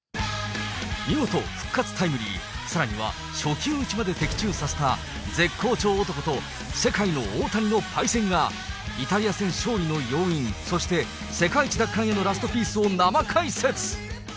見事、復活タイムリー、さらには初球打ちまで的中させた、絶好調男と世界の大谷の対戦が、イタリア戦勝利の要因、そして世界一奪還へのラストピースを生解説。